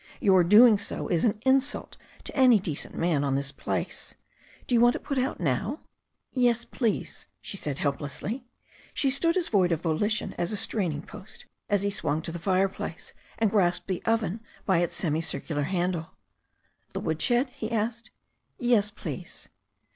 Your doing so is an insult to any decent man on the place. Do you want it put out now?" "Yes, please," she said helplessly. She stood as void of volition as a straining post as he swung to the fireplace, and grasped the oven by its semi circular handle. "The woodshed?" he asked. "Yes, please."